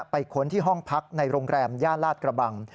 ค้นที่ห้องพักในโรงแรมย่านลาดกระบัง